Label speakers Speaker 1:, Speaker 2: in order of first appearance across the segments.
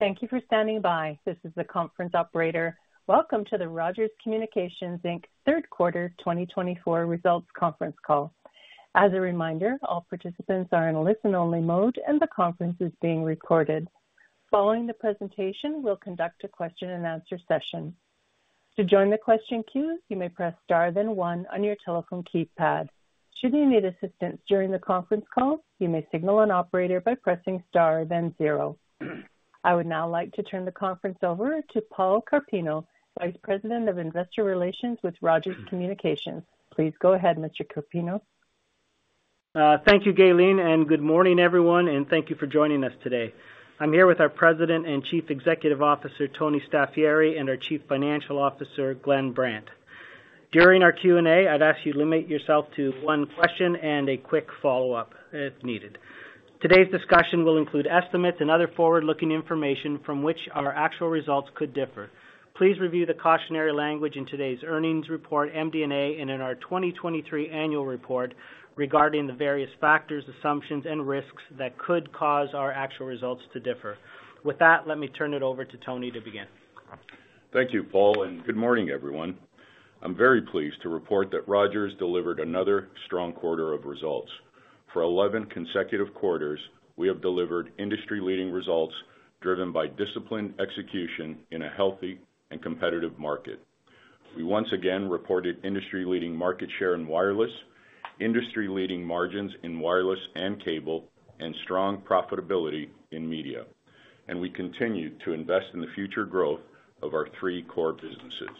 Speaker 1: Thank you for standing by. This is the conference operator. Welcome to the Rogers Communications Inc. third quarter twenty twenty-four results conference call. As a reminder, all participants are in listen-only mode, and the conference is being recorded. Following the presentation, we'll conduct a question-and-answer session. To join the question queue, you may press Star, then one on your telephone keypad. Should you need assistance during the conference call, you may signal an operator by pressing Star, then zero. I would now like to turn the conference over to Paul Carpino, Vice President of Investor Relations with Rogers Communications. Please go ahead, Mr. Carpino.
Speaker 2: Thank you, Gaylene, and good morning, everyone, and thank you for joining us today. I'm here with our President and Chief Executive Officer, Tony Staffieri, and our Chief Financial Officer, Glenn Brandt. During our Q&A, I'd ask you to limit yourself to one question and a quick follow-up, if needed. Today's discussion will include estimates and other forward-looking information from which our actual results could differ. Please review the cautionary language in today's earnings report, MD&A, and in our twenty twenty-three annual report regarding the various factors, assumptions, and risks that could cause our actual results to differ. With that, let me turn it over to Tony to begin.
Speaker 3: Thank you, Paul, and good morning, everyone. I'm very pleased to report that Rogers delivered another strong quarter of results. For 11 consecutive quarters, we have delivered industry-leading results, driven by disciplined execution in a healthy and competitive market. We once again reported industry-leading market share in wireless, industry-leading margins in wireless and cable, and strong profitability in media. And we continue to invest in the future growth of our three core businesses.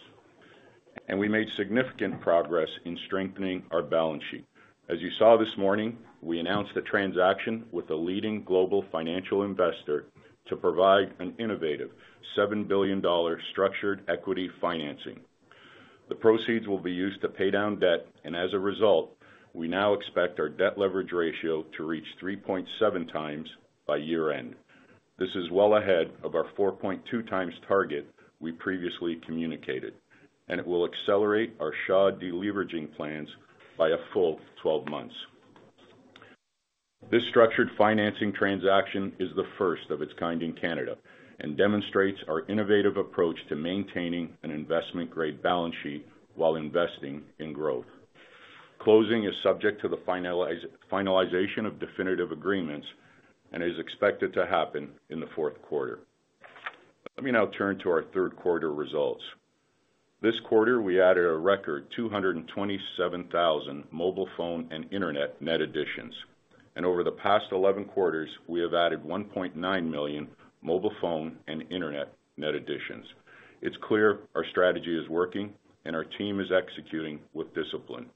Speaker 3: And we made significant progress in strengthening our balance sheet. As you saw this morning, we announced a transaction with a leading global financial investor to provide an innovative 7 billion dollars structured equity financing. The proceeds will be used to pay down debt, and as a result, we now expect our debt leverage ratio to reach three point seven times by year-end. This is well ahead of our 4.2 times target we previously communicated, and it will accelerate our Shaw deleveraging plans by a full 12 months. This structured financing transaction is the first of its kind in Canada and demonstrates our innovative approach to maintaining an investment-grade balance sheet while investing in growth. Closing is subject to the finalization of definitive agreements and is expected to happen in the fourth quarter. Let me now turn to our third quarter results. This quarter, we added a record 227,000 mobile phone and internet net additions, and over the past 11 quarters, we have added 1.9 million mobile phone and internet net additions. It's clear our strategy is working, and our team is executing with discipline.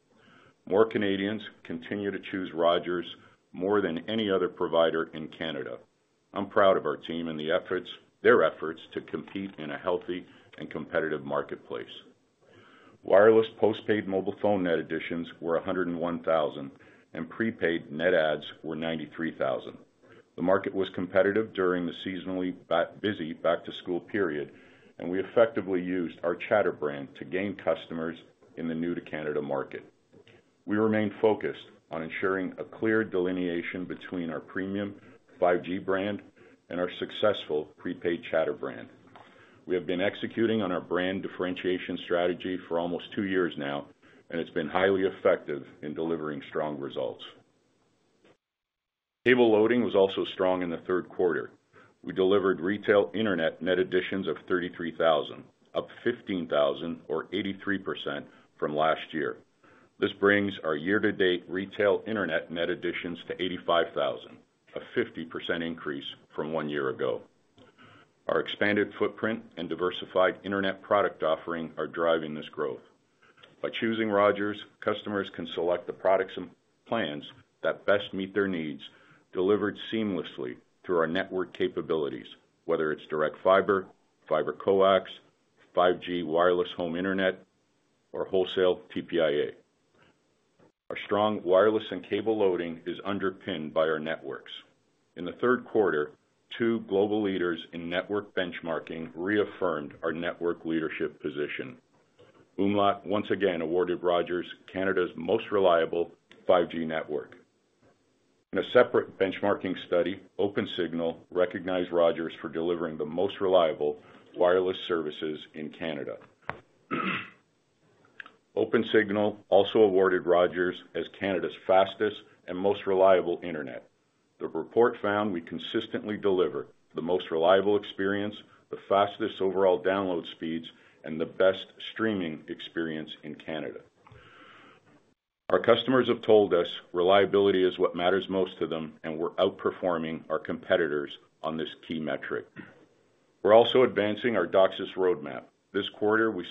Speaker 3: More Canadians continue to choose Rogers more than any other provider in Canada. I'm proud of our team and their efforts to compete in a healthy and competitive marketplace. Wireless postpaid mobile phone net additions were 101 thousand, and prepaid net adds were 93 thousand. The market was competitive during the seasonally busy back-to-school period, and we effectively used our chatr brand to gain customers in the new-to-Canada market. We remain focused on ensuring a clear delineation between our premium 5G brand and our successful prepaid chatr brand. We have been executing on our brand differentiation strategy for almost two years now, and it's been highly effective in delivering strong results. Cable loading was also strong in the third quarter. We delivered retail internet net additions of 33 thousand, up 15 thousand or 83% from last year. This brings our year-to-date retail internet net additions to 85 thousand, a 50% increase from one year ago. Our expanded footprint and diversified internet product offering are driving this growth. By choosing Rogers, customers can select the products and plans that best meet their needs, delivered seamlessly through our network capabilities, whether it's direct fiber, fiber coax, 5G wireless home internet, or wholesale TPIA. Our strong wireless and cable loading is underpinned by our networks. In the third quarter, two global leaders in network benchmarking reaffirmed our network leadership position. Umlaut, once again, awarded Rogers Canada's Most Reliable 5G Network. In a separate benchmarking study, Opensignal recognized Rogers for delivering the most reliable wireless services in Canada. Opensignal also awarded Rogers as Canada's fastest and most reliable internet. The report found we consistently deliver the most reliable experience, the fastest overall download speeds, and the best streaming experience in Canada. Our customers have told us reliability is what matters most to them, and we're outperforming our competitors on this key metric. We're also advancing our DOCSIS roadmap. This quarter, we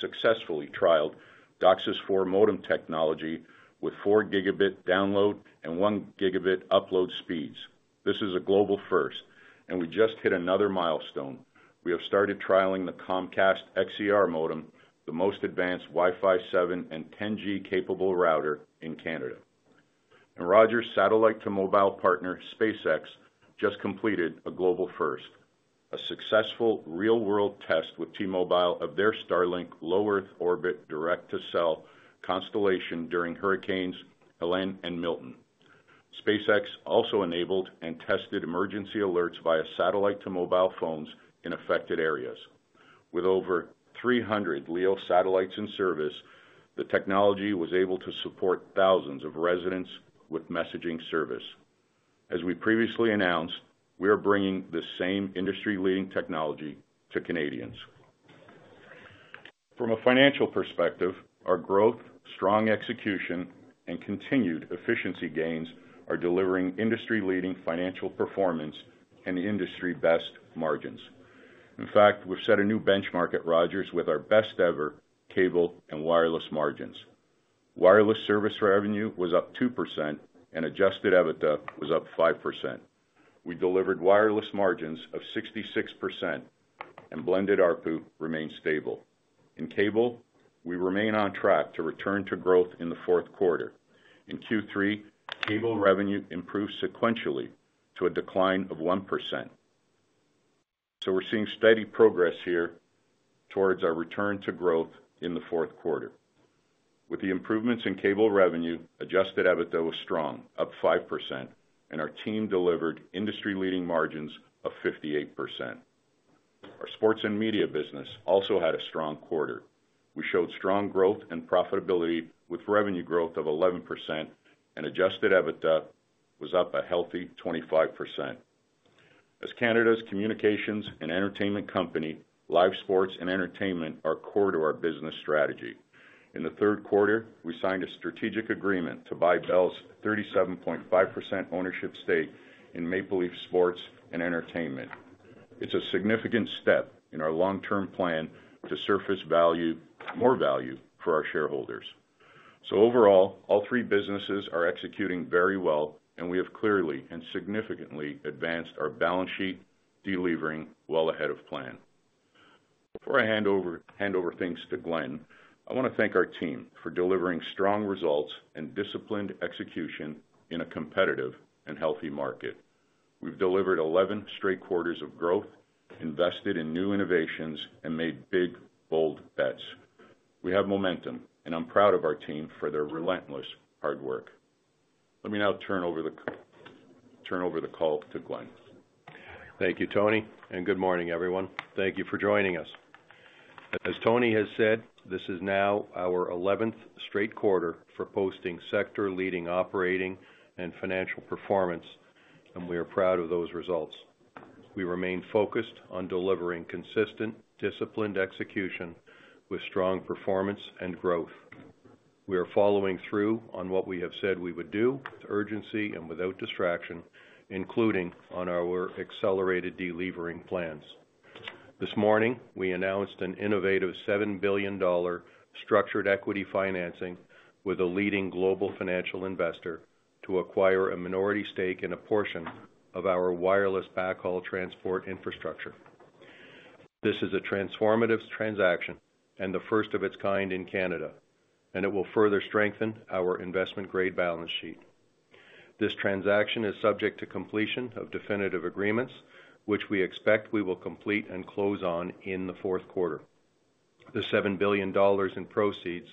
Speaker 3: successfully trialed DOCSIS 4.0 modem technology with four gigabit download and one gigabit upload speeds. This is a global first, and we just hit another milestone. We have started trialing the Comcast X-Class modem, the most advanced Wi-Fi 7 and 10G capable router in Canada. Rogers satellite to mobile partner, SpaceX, just completed a global first, a successful real-world test with T-Mobile of their Starlink low Earth orbit, direct-to-cell constellation during hurricanes Helene and Milton. SpaceX also enabled and tested emergency alerts via satellite to mobile phones in affected areas. With over 300 LEO satellites in service, the technology was able to support thousands of residents with messaging service. As we previously announced, we are bringing the same industry-leading technology to Canadians. From a financial perspective, our growth, strong execution, and continued efficiency gains are delivering industry-leading financial performance and industry-best margins. In fact, we've set a new benchmark at Rogers with our best-ever cable and wireless margins. Wireless service revenue was up 2% and adjusted EBITDA was up 5%. We delivered wireless margins of 66% and blended ARPU remained stable. In cable, we remain on track to return to growth in the fourth quarter. In Q3, cable revenue improved sequentially to a decline of 1%. So we're seeing steady progress here towards our return to growth in the fourth quarter. With the improvements in cable revenue, adjusted EBITDA was strong, up 5%, and our team delivered industry-leading margins of 58%. Our sports and media business also had a strong quarter. We showed strong growth and profitability with revenue growth of 11% and Adjusted EBITDA was up a healthy 25%. As Canada's communications and entertainment company, live sports and entertainment are core to our business strategy. In the third quarter, we signed a strategic agreement to buy Bell's 37.5% ownership stake in Maple Leaf Sports and Entertainment. It's a significant step in our long-term plan to surface value, more value for our shareholders. Overall, all three businesses are executing very well, and we have clearly and significantly advanced our balance sheet, delevering well ahead of plan. Before I hand over things to Glenn, I wanna thank our team for delivering strong results and disciplined execution in a competitive and healthy market. We've delivered 11 straight quarters of growth, invested in new innovations, and made big, bold bets. We have momentum, and I'm proud of our team for their relentless hard work. Let me now turn over the call to Glenn.
Speaker 4: Thank you, Tony, and good morning, everyone. Thank you for joining us. As Tony has said, this is now our eleventh straight quarter for posting sector-leading operating and financial performance, and we are proud of those results. We remain focused on delivering consistent, disciplined execution with strong performance and growth. We are following through on what we have said we would do with urgency and without distraction, including on our accelerated delevering plans. This morning, we announced an innovative 7 billion dollar structured equity financing with a leading global financial investor to acquire a minority stake in a portion of our wireless backhaul transport infrastructure. This is a transformative transaction and the first of its kind in Canada, and it will further strengthen our investment-grade balance sheet. This transaction is subject to completion of definitive agreements, which we expect we will complete and close on in the fourth quarter. The 7 billion dollars in proceeds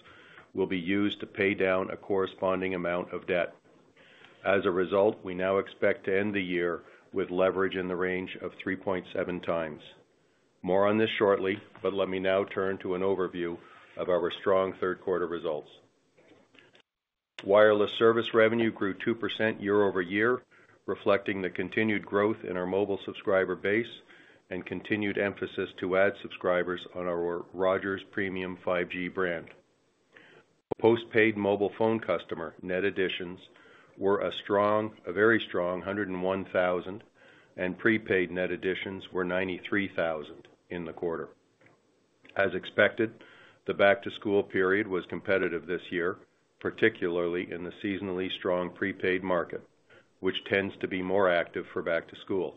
Speaker 4: will be used to pay down a corresponding amount of debt. As a result, we now expect to end the year with leverage in the range of 3.7 times. More on this shortly, but let me now turn to an overview of our strong third quarter results. Wireless service revenue grew 2% year over year, reflecting the continued growth in our mobile subscriber base and continued emphasis to add subscribers on our Rogers Premium 5G brand. Postpaid mobile phone customer net additions were a strong, a very strong 101,000, and prepaid net additions were 93,000 in the quarter. As expected, the back-to-school period was competitive this year, particularly in the seasonally strong prepaid market, which tends to be more active for back-to-school.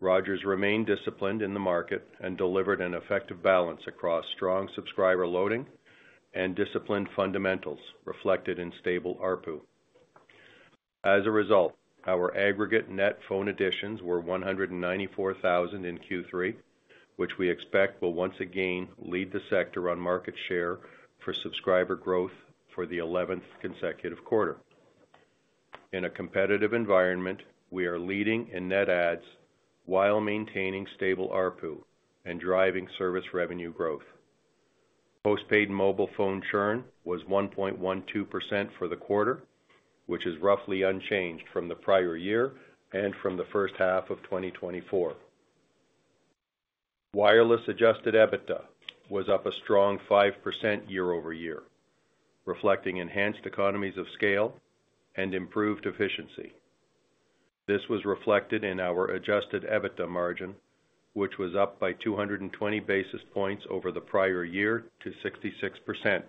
Speaker 4: Rogers remained disciplined in the market and delivered an effective balance across strong subscriber loading and disciplined fundamentals, reflected in stable ARPU. As a result, our aggregate net phone additions were 194,000 in Q3, which we expect will once again lead the sector on market share for subscriber growth for the eleventh consecutive quarter. In a competitive environment, we are leading in net adds while maintaining stable ARPU and driving service revenue growth. Postpaid mobile phone churn was 1.12% for the quarter, which is roughly unchanged from the prior year and from the first half of 2024. Wireless Adjusted EBITDA was up a strong 5% year over year, reflecting enhanced economies of scale and improved efficiency. This was reflected in our adjusted EBITDA margin, which was up by 220 basis points over the prior year to 66%,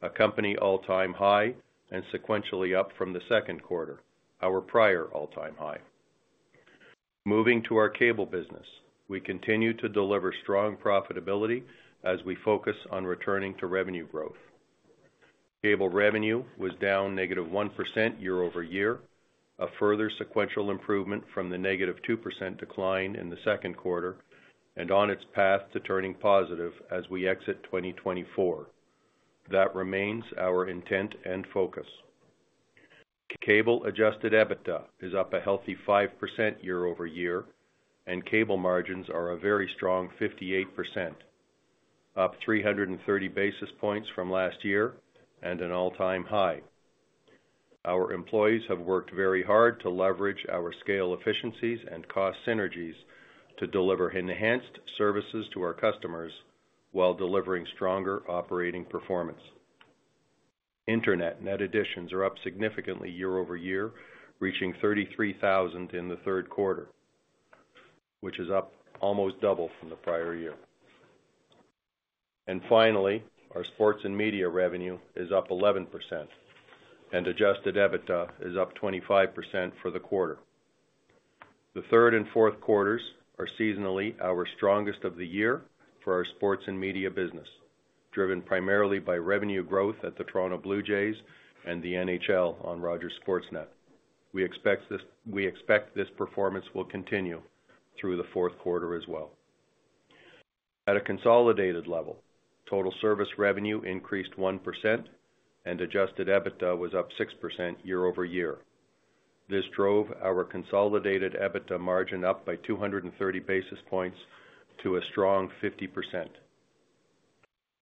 Speaker 4: a company all-time high and sequentially up from the second quarter, our prior all-time high. Moving to our cable business. We continue to deliver strong profitability as we focus on returning to revenue growth. Cable revenue was down -1% year over year, a further sequential improvement from the -2% decline in the second quarter and on its path to turning positive as we exit 2024. That remains our intent and focus. Cable adjusted EBITDA is up a healthy 5% year over year, and cable margins are a very strong 58%, up 330 basis points from last year, and an all-time high. Our employees have worked very hard to leverage our scale efficiencies and cost synergies to deliver enhanced services to our customers while delivering stronger operating performance. Internet net additions are up significantly year over year, reaching 33,000 in the third quarter, which is up almost double from the prior year. And finally, our sports and media revenue is up 11% and adjusted EBITDA is up 25% for the quarter. The third and fourth quarters are seasonally our strongest of the year for our sports and media business, driven primarily by revenue growth at the Toronto Blue Jays and the NHL on Rogers Sportsnet. We expect this, we expect this performance will continue through the fourth quarter as well. At a consolidated level, total service revenue increased 1% and adjusted EBITDA was up 6% year over year. This drove our consolidated EBITDA margin up by 230 basis points to a strong 50%.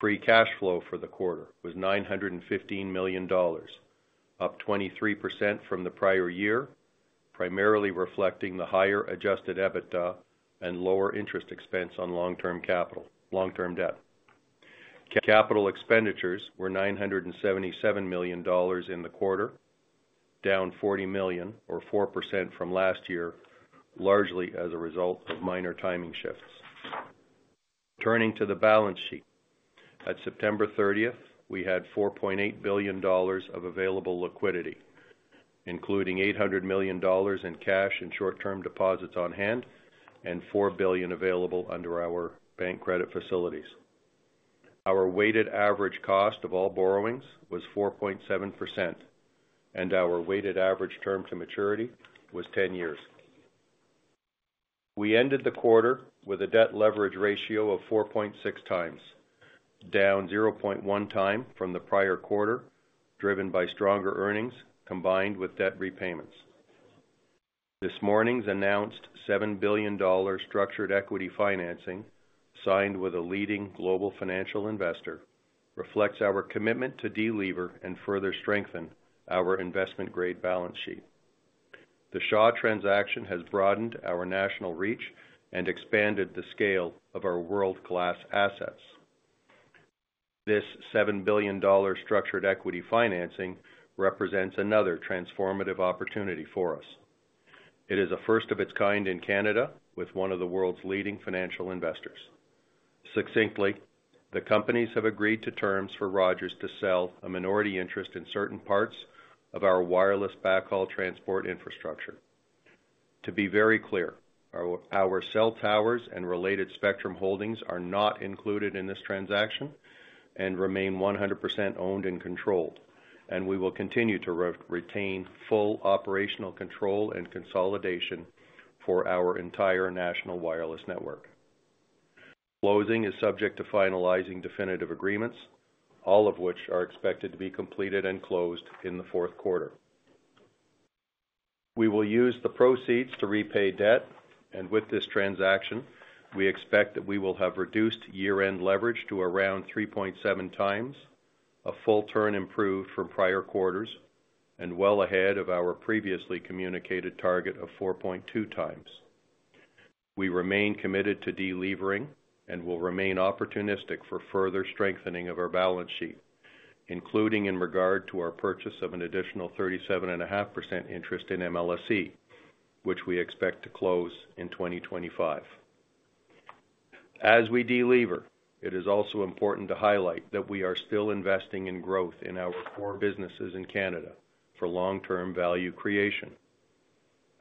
Speaker 4: Free cash flow for the quarter was 915 million dollars, up 23% from the prior year, primarily reflecting the higher adjusted EBITDA and lower interest expense on long-term capital - long-term debt. Capital expenditures were 977 million dollars in the quarter, down 40 million or 4% from last year, largely as a result of minor timing shifts. Turning to the balance sheet. At September thirtieth, we had 4.8 billion dollars of available liquidity, including 800 million dollars in cash and short-term deposits on hand and 4 billion available under our bank credit facilities. Our weighted average cost of all borrowings was 4.7%, and our weighted average term to maturity was 10 years. We ended the quarter with a debt leverage ratio of 4.6 times, down 0.1 time from the prior quarter, driven by stronger earnings combined with debt repayments. This morning's announced 7 billion dollars structured equity financing, signed with a leading global financial investor, reflects our commitment to delever and further strengthen our investment-grade balance sheet. The Shaw transaction has broadened our national reach and expanded the scale of our world-class assets. This 7 billion dollars structured equity financing represents another transformative opportunity for us. It is a first of its kind in Canada, with one of the world's leading financial investors. Succinctly, the companies have agreed to terms for Rogers to sell a minority interest in certain parts of our wireless backhaul transport infrastructure. To be very clear, our cell towers and related spectrum holdings are not included in this transaction and remain 100% owned and controlled, and we will continue to retain full operational control and consolidation for our entire national wireless network. Closing is subject to finalizing definitive agreements, all of which are expected to be completed and closed in the fourth quarter. We will use the proceeds to repay debt, and with this transaction, we expect that we will have reduced year-end leverage to around 3.7 times, a full turn improved from prior quarters and well ahead of our previously communicated target of 4.2 times. We remain committed to delevering and will remain opportunistic for further strengthening of our balance sheet, including in regard to our purchase of an additional 37.5% interest in MLSE, which we expect to close in 2025. As we delever, it is also important to highlight that we are still investing in growth in our core businesses in Canada for long-term value creation.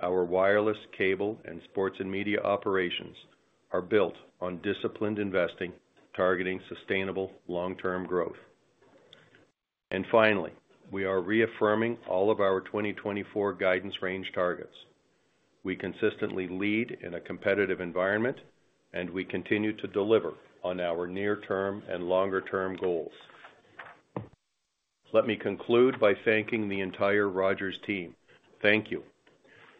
Speaker 4: Our wireless, cable, and sports and media operations are built on disciplined investing, targeting sustainable long-term growth. And finally, we are reaffirming all of our 2024 guidance range targets. We consistently lead in a competitive environment, and we continue to deliver on our near-term and longer-term goals. Let me conclude by thanking the entire Rogers team. Thank you.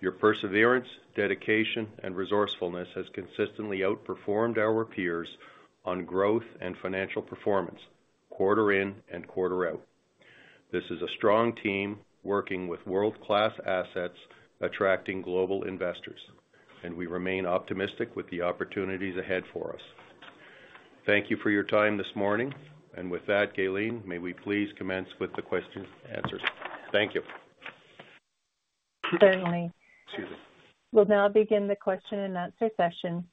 Speaker 4: Your perseverance, dedication and resourcefulness has consistently outperformed our peers on growth and financial performance, quarter in and quarter out. This is a strong team, working with world-class assets, attracting global investors, and we remain optimistic with the opportunities ahead for us. Thank you for your time this morning. And with that, Gaylene, may we please commence with the question and answers? Thank you.
Speaker 1: Certainly.
Speaker 4: Excuse me.
Speaker 1: We'll now begin the question and answer session.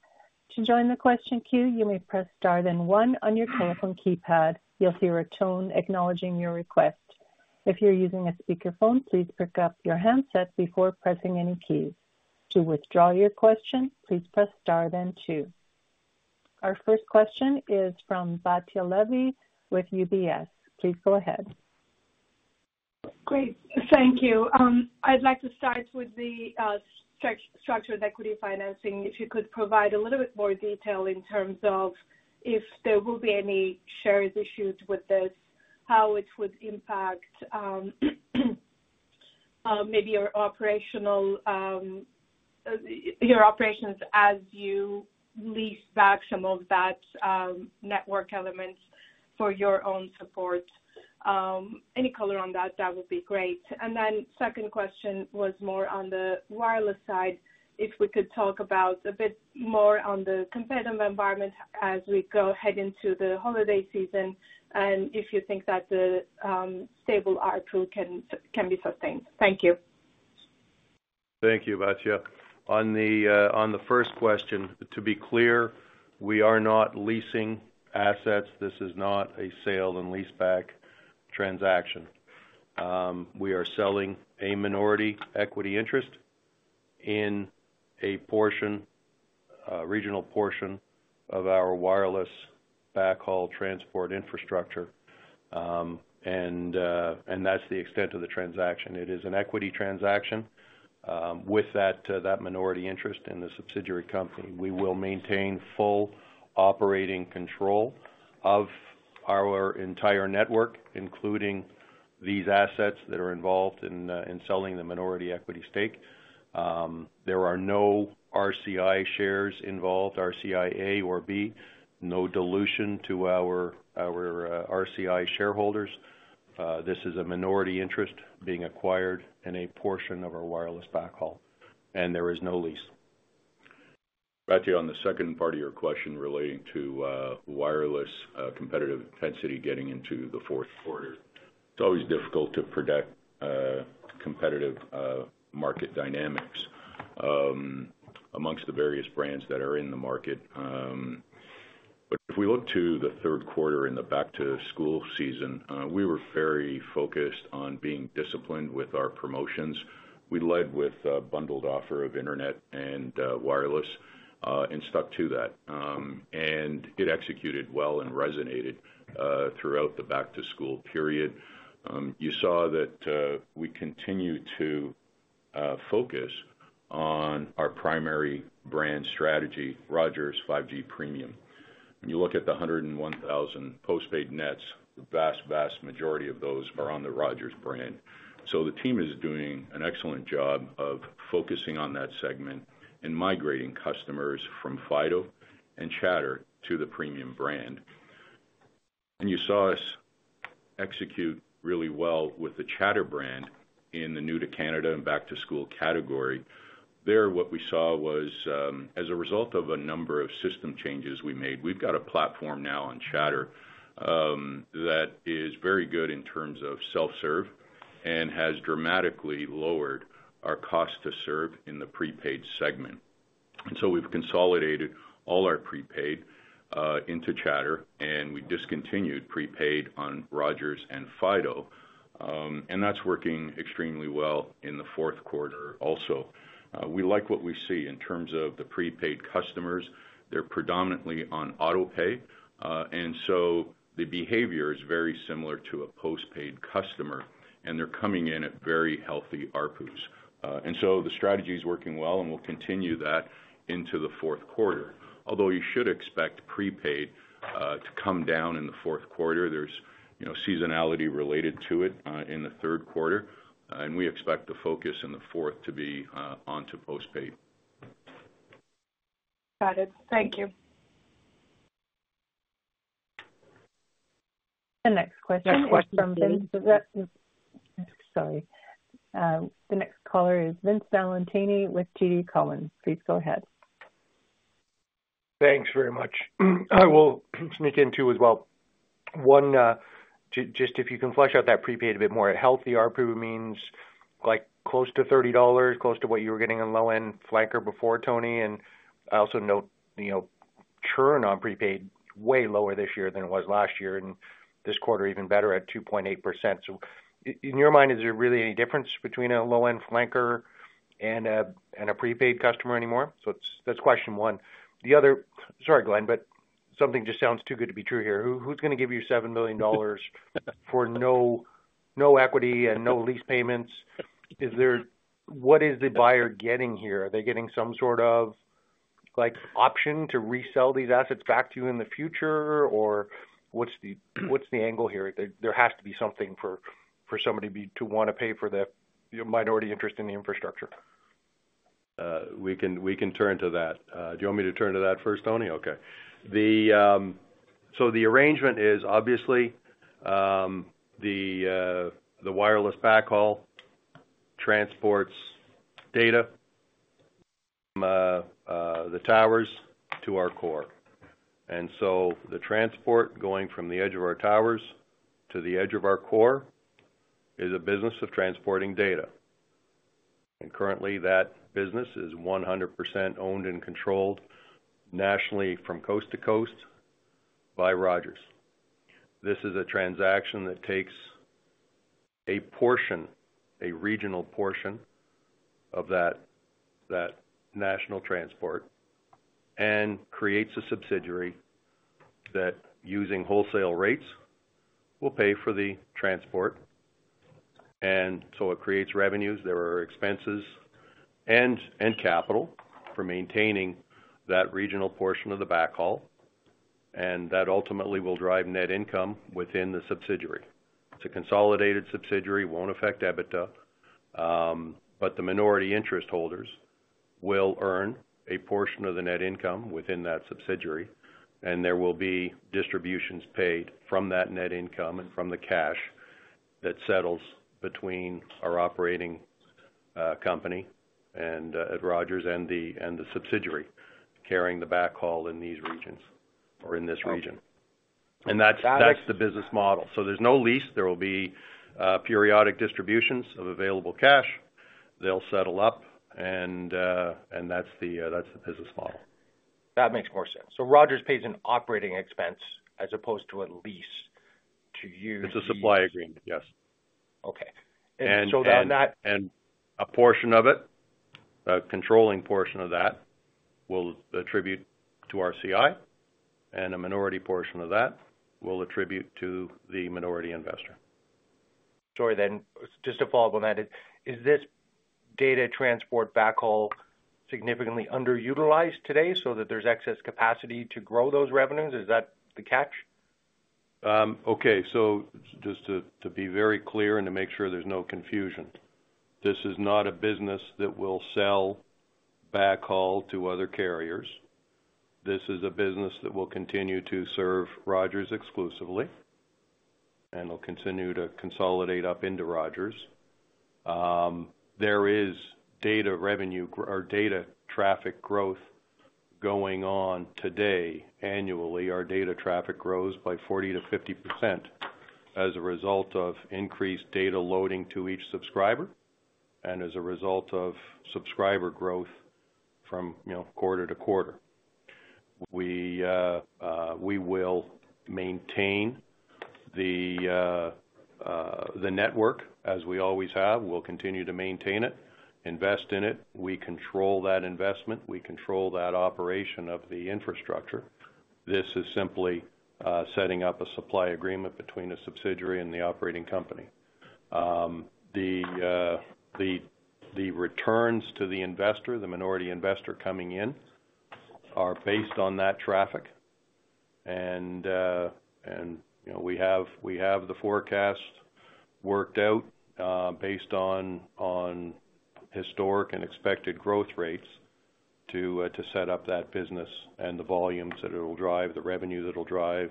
Speaker 1: To join the question queue, you may press Star then One on your telephone keypad. You'll hear a tone acknowledging your request. If you're using a speakerphone, please pick up your handset before pressing any keys. To withdraw your question, please press Star then Two. Our first question is from Batya Levi with UBS. Please go ahead.
Speaker 5: Great, thank you. I'd like to start with the structured equity financing. If you could provide a little bit more detail in terms of if there will be any shares issued with this, how it would impact maybe your operational your operations as you lease back some of that network elements for your own support. Any color on that, that would be great. And then second question was more on the wireless side, if we could talk about a bit more on the competitive environment as we go ahead into the holiday season, and if you think that the stable ARPU can be sustained. Thank you.
Speaker 4: Thank you, Batya. On the first question, to be clear, we are not leasing assets. This is not a sale and leaseback transaction. We are selling a minority equity interest in a portion, a regional portion of our wireless backhaul transport infrastructure, and that's the extent of the transaction. It is an equity transaction with that minority interest in the subsidiary company. We will maintain full operating control of our entire network, including these assets that are involved in selling the minority equity stake. There are no RCI shares involved, RCI.A or B, no dilution to our RCI shareholders. This is a minority interest being acquired in a portion of our wireless backhaul, and there is no lease.
Speaker 3: Batya, on the second part of your question relating to wireless competitive intensity getting into the fourth quarter. It's always difficult to predict competitive market dynamics among the various brands that are in the market, but if we look to the third quarter in the back-to-school season, we were very focused on being disciplined with our promotions. We led with a bundled offer of internet and wireless and stuck to that, and it executed well and resonated throughout the back-to-school period. You saw that we continue to focus on our primary brand strategy, Rogers 5G Premium. When you look at the hundred and one thousand postpaid nets, the vast, vast majority of those are on the Rogers brand. So the team is doing an excellent job of focusing on that segment and migrating customers from Fido and chatr to the premium brand. And you saw us execute really well with the chatr brand in the New to Canada and back-to-school category. There, what we saw was, as a result of a number of system changes we made, we've got a platform now on chatr that is very good in terms of self-serve and has dramatically lowered our cost to serve in the prepaid segment. And so we've consolidated all our prepaid into chatr, and we discontinued prepaid on Rogers and Fido. And that's working extremely well in the fourth quarter also. We like what we see in terms of the prepaid customers. They're predominantly on auto pay, and so the behavior is very similar to a postpaid customer, and they're coming in at very healthy ARPUs. And so the strategy is working well, and we'll continue that into the fourth quarter. Although you should expect prepaid to come down in the fourth quarter, there's, you know, seasonality related to it in the third quarter, and we expect the focus in the fourth to be onto postpaid.
Speaker 5: Got it. Thank you.
Speaker 1: The next question is from—sorry. The next caller is Vince Valentini with TD Cowen. Please go ahead.
Speaker 6: Thanks very much. I will sneak in, too, as well. One, just if you can flesh out that prepaid a bit more, a healthy ARPU means like close to 30 dollars, close to what you were getting on low-end flanker before, Tony. And I also note, you know, churn on prepaid way lower this year than it was last year, and this quarter even better at 2.8%. So in your mind, is there really any difference between a low-end flanker and a, and a prepaid customer anymore? So that's, that's question one. The other. Sorry, Glenn, but something just sounds too good to be true here. Who, who's gonna give you 7 million dollars for no, no equity and no lease payments? Is there what is the buyer getting here? Are they getting some sort of, like, option to resell these assets back to you in the future? Or what's the angle here? There has to be something for somebody to wanna pay for the minority interest in the infrastructure.
Speaker 4: We can turn to that. Do you want me to turn to that first, Tony? Okay. The arrangement is obviously the wireless backhaul transports data the towers to our core. The transport going from the edge of our towers to the edge of our core is a business of transporting data, and currently, that business is 100% owned and controlled nationally from coast to coast by Rogers. This is a transaction that takes a portion, a regional portion of that national transport, and creates a subsidiary that using wholesale rates, will pay for the transport. It creates revenues. There are expenses and capital for maintaining that regional portion of the backhaul, and that ultimately will drive net income within the subsidiary. It's a consolidated subsidiary, won't affect EBITDA, but the minority interest holders will earn a portion of the net income within that subsidiary, and there will be distributions paid from that net income and from the cash that settles between our operating company and at Rogers and the subsidiary carrying the backhaul in these regions or in this region, and that's the business model, so there's no lease. There will be periodic distributions of available cash. They'll settle up, and that's the business model.
Speaker 6: That makes more sense. So Rogers pays an operating expense as opposed to a lease to you?
Speaker 4: It's a supply agreement, yes.
Speaker 6: Okay.
Speaker 4: A portion of it, a controlling portion of that will attribute to RCI, and a minority portion of that will attribute to the minority investor.
Speaker 6: Sorry, then just a follow-up on that is, is this data transport backhaul significantly underutilized today so that there's excess capacity to grow those revenues? Is that the catch?
Speaker 4: Okay, so just to be very clear, and to make sure there's no confusion, this is not a business that will sell backhaul to other carriers. This is a business that will continue to serve Rogers exclusively, and will continue to consolidate up into Rogers. There is data revenue or data traffic growth going on today. Annually, our data traffic grows by 40%-50% as a result of increased data loading to each subscriber and as a result of subscriber growth from, you know, quarter to quarter. We will maintain the network, as we always have. We'll continue to maintain it, invest in it. We control that investment. We control that operation of the infrastructure. This is simply setting up a supply agreement between a subsidiary and the operating company. The returns to the investor, the minority investor coming in, are based on that traffic. You know, we have the forecast worked out based on historic and expected growth rates to set up that business and the volumes that it'll drive, the revenue that it'll drive,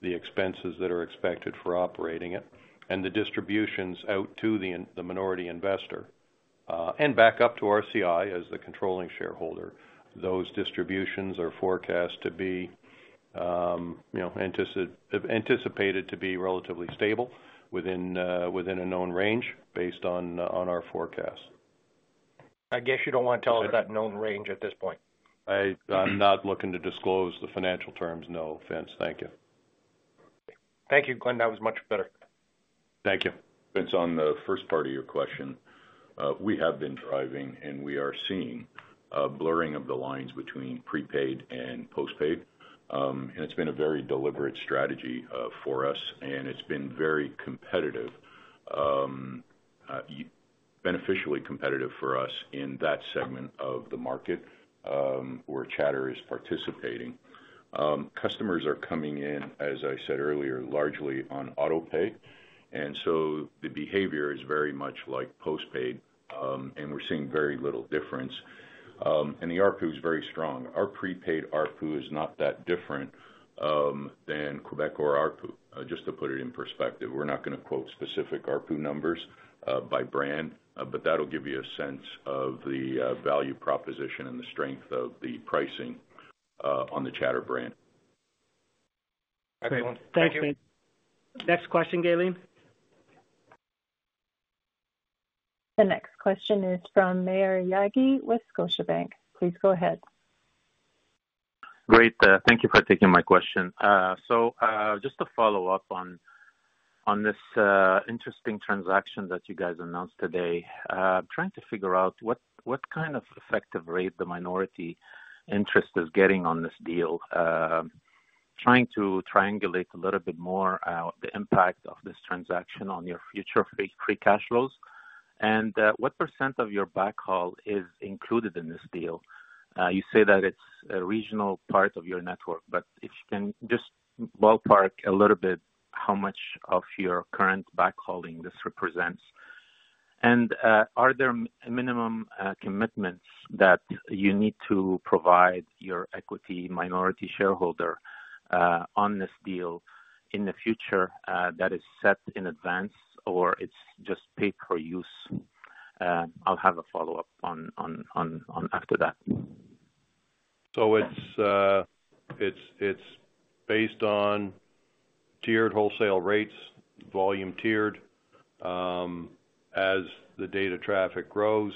Speaker 4: the expenses that are expected for operating it, and the distributions out to the minority investor and back up to RCI as the controlling shareholder. Those distributions are forecast to be, you know, anticipated to be relatively stable within a known range based on our forecast.
Speaker 6: I guess you don't want to tell us that known range at this point.
Speaker 4: I'm not looking to disclose the financial terms. No offense. Thank you.
Speaker 6: Thank you, Glenn. That was much better.
Speaker 4: Thank you.
Speaker 3: It's on the first part of your question. We have been driving, and we are seeing a blurring of the lines between prepaid and postpaid. And it's been a very deliberate strategy for us, and it's been very competitive, beneficially competitive for us in that segment of the market where chatr is participating. Customers are coming in, as I said earlier, largely on autopay, and so the behavior is very much like postpaid, and we're seeing very little difference. And the ARPU is very strong. Our prepaid ARPU is not that different than Quebecor ARPU, just to put it in perspective. We're not going to quote specific ARPU numbers by brand, but that'll give you a sense of the value proposition and the strength of the pricing on the chatr brand.
Speaker 6: Okay. Thank you. Next question, Gaylene.
Speaker 1: The next question is from Maher Yaghi with Scotiabank. Please go ahead.
Speaker 7: Great, thank you for taking my question. So, just to follow up on this interesting transaction that you guys announced today. Trying to figure out what kind of effective rate the minority interest is getting on this deal. Trying to triangulate a little bit more the impact of this transaction on your future free cash flows. And what % of your backhaul is included in this deal? You say that it's a regional part of your network, but if you can just ballpark a little bit, how much of your current backhaul this represents. And are there minimum commitments that you need to provide your equity minority shareholder on this deal in the future that is set in advance, or it's just pay per use? I'll have a follow-up after that.
Speaker 4: So it's based on tiered wholesale rates, volume tiered. As the data traffic grows,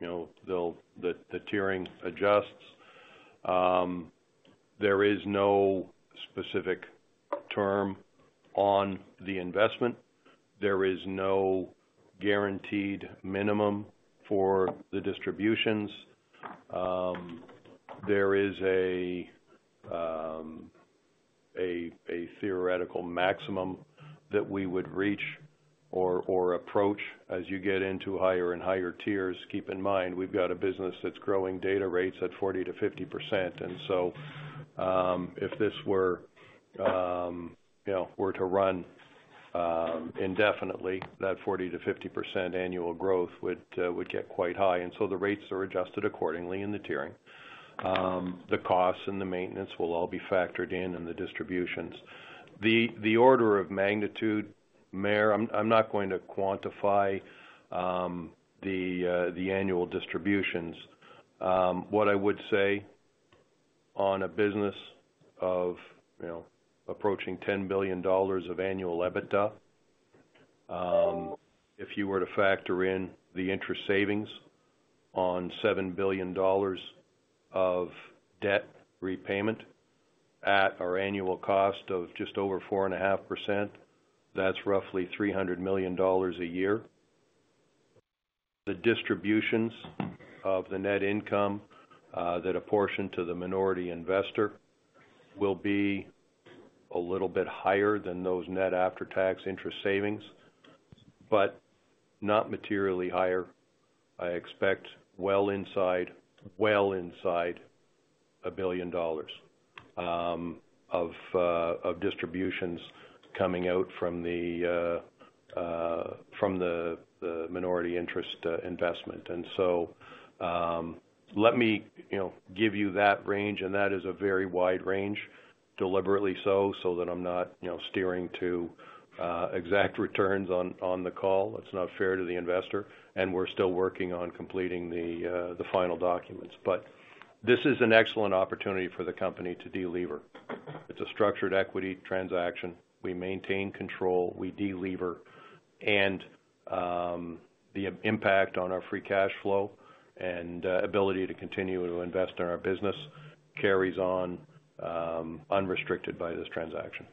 Speaker 4: you know, they'll the tiering adjusts. There is no specific term on the investment. There is no guaranteed minimum for the distributions. There is a theoretical maximum that we would reach or approach as you get into higher and higher tiers. Keep in mind, we've got a business that's growing data rates at 40%-50%. And so, if this were, you know, to run indefinitely, that 40%-50% annual growth would get quite high. And so the rates are adjusted accordingly in the tiering. The costs and the maintenance will all be factored in the distributions. The order of magnitude, Maher, I'm not going to quantify the annual distributions. What I would say on a business of, you know, approaching 10 billion dollars of annual EBITDA, if you were to factor in the interest savings on 7 billion dollars of debt repayment at our annual cost of just over 4.5%, that's roughly 300 million dollars a year. The distributions of the net income that apportion to the minority investor will be a little bit higher than those net after-tax interest savings, but not materially higher. I expect well inside a billion dollars of distributions coming out from the minority interest investment. And so, let me, you know, give you that range, and that is a very wide range, deliberately so, so that I'm not, you know, steering to exact returns on the call. That's not fair to the investor, and we're still working on completing the final documents. But this is an excellent opportunity for the company to delever. It's a structured equity transaction. We maintain control, we delever, and the impact on our free cash flow and ability to continue to invest in our business carries on, unrestricted by this transaction.